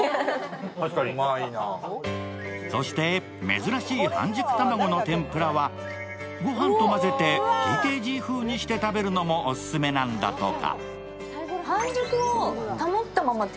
そして、珍しい半熟卵の天ぷらはご飯と混ぜてＴＫＧ風にして食べるのもオススメなんだとか。